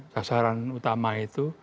sasaran utama itu